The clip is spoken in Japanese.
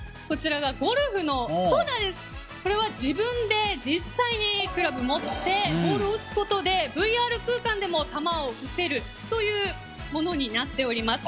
自分で実際にクラブを持ってボールを打つことでＶＲ空間でも球を打てるというものになっております。